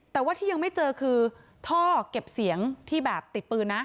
แต่ว่าที่ยังไม่เจอคือท่อเก็บเสียงที่แบบติดปืนนะ